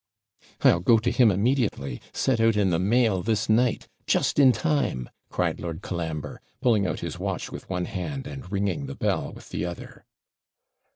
'I'll go to him immediately set out in the mail this night. Just in time!' cried Lord Colambre, pulling out his watch with one hand, and ringing the bell with the other.